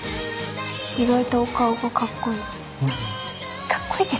意外と顔がかっこいい。